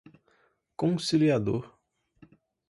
conciliador